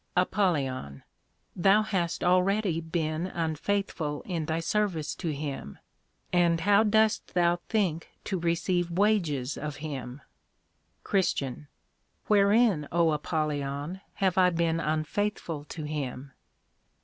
APOL. Thou hast already been unfaithful in thy service to him, and how dost thou think to receive wages of him? CHR. Wherein, O Apollyon, have I been unfaithful to him?